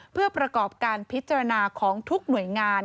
เพื่อประกอบการพิจารณาของทุกหน่วยงาน